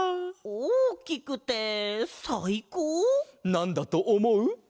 なんだとおもう？